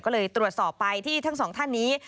ก็เลยตรวจสอบไปที่ทั้งสองท่านนี้